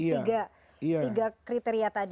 tiga kriteria tadi